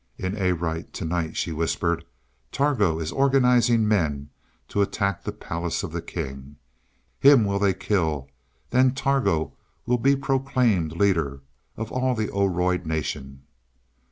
"In Arite, to night," she whispered, "Targo is organizing men to attack the palace of the king. Him will they kill then Targo will be proclaimed leader of all the Oroid nation."